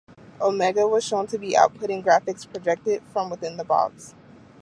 Omega was shown to be outputting graphics projected from within the box.